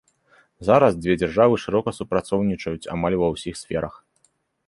Зараз дзве дзяржавы шырока супрацоўнічаюць амаль ва ўсіх сферах.